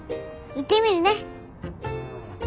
行ってみるね。